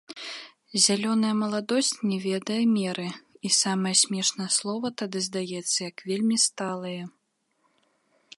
Зялёная маладосць не ведае меры, і самае смешнае слова тады здаецца як вельмі сталае.